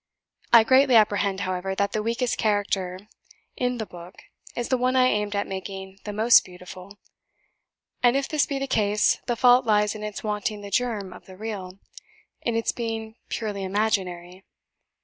I greatly apprehend, however, that the weakest character in the book is the one I aimed at making the most beautiful; and, if this be the case, the fault lies in its wanting the germ of the real in its being purely imaginary.